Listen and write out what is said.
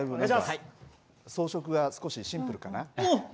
装飾が少しシンプルかな。